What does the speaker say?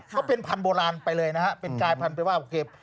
ก็เป็นพันธุโบราณไปเลยนะฮะเป็นกายพันธไปว่าโอเค